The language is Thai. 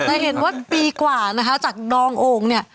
ในเห็นว่าปีกว่าจากดองโอ่ง